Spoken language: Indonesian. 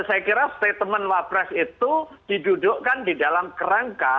saya kira statement wapres itu didudukkan di dalam kerangka